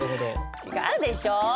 違うでしょ。